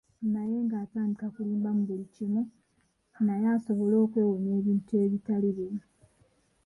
Naye ng'atandika kulimba mu buli kimu naye asobole okwewonya ebintu ebitali bimu.